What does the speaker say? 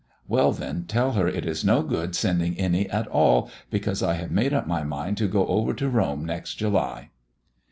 "Well, then, tell her it is no good sending any at all, because I have made up my mind to go over to Rome next July."